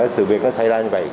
sự việc nó xảy ra như vậy